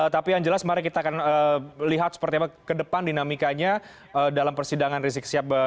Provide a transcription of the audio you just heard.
tapi yang jelas mari kita akan lihat seperti apa kedepan dinamikanya dalam persidangan risikosia